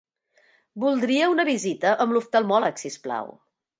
Voldria una visita amb l'oftalmòleg, si us plau.